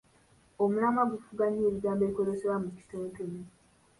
Omulamwa gufuga nnyo ebigambo ebikozesebwa mu kitontome.